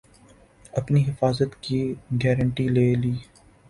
اپنی حفاظت کی گارنٹی لے لی